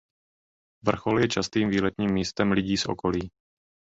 Vrchol je častým výletním místem lidí z okolí.